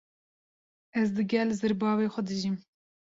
Ez digel zirbavê xwe dijîm.